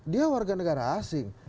dia warga negara asing